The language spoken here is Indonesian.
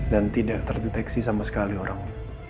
dan tidak terdeteksi sama sekali orang